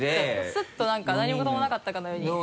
スッと何か何事もなかったかのように。